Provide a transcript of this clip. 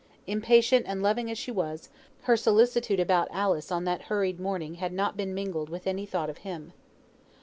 Impatient and loving as she was, her solicitude about Alice on that hurried morning had not been mingled with any thought of him.